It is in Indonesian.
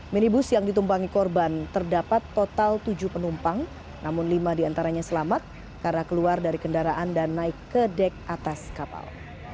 minibus yang ditumpangi korban terdapat total tujuh penumpang namun lima diantaranya selamat karena keluar dari kendaraan dan naik ke dek atas kapal